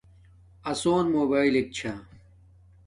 آسون موباݵلک چھا